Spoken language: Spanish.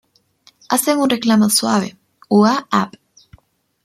Hacen un reclamo suave: "ua-ap".